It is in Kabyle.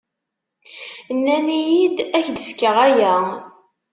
Nnan-iyi-d ad k-d-fkeɣ aya.